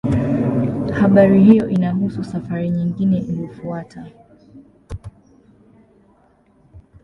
Habari hiyo inahusu safari nyingine iliyofuata.